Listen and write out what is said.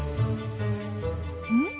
うん？